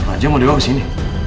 aja mau dibawa ke sini